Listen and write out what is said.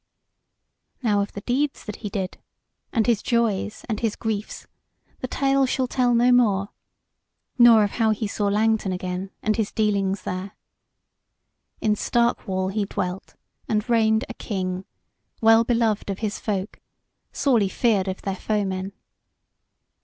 Now of the deeds that he did, and his joys and his griefs, the tale shall tell no more; nor of how he saw Langton again, and his dealings there. In Stark wall he dwelt, and reigned a King, well beloved of his folk, sorely feared of their foemen.